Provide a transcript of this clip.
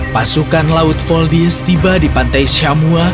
pasukan laut voldis tiba di pantai shamua